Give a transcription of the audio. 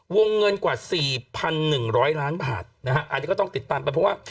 วงเงินกว่า๔๑๐๐ล้านบาทนะฮะอันนี้ก็ต้องติดตามไปเพราะว่า